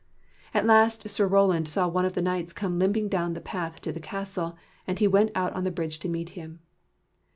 At last Sir Roland saw one of the knights come limping down the path to the castle, and he went out on the bridge to meet him.